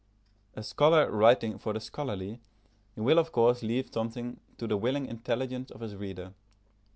A scholar writing for the scholarly, he will of course leave something to the willing intelligence of his reader.